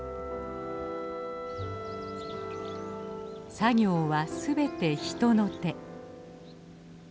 作業は全て人の手。